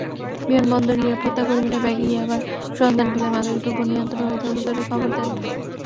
বিমানবন্দরের নিরাপত্তাকর্মীরা ব্যাগে ইয়াবার সন্ধান পেলে মাদকদ্রব্য নিয়ন্ত্রণ অধিদপ্তরে খবর দেন।